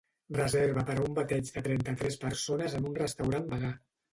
Reserva per a un bateig de trenta-tres persones en un restaurant vegà.